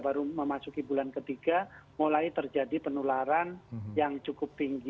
baru memasuki bulan ketiga mulai terjadi penularan yang cukup tinggi